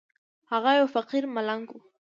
هغه يو فقير ملنگ و.